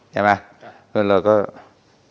อย่างนั้นเราก็ส้มที่สู้สิทธิ์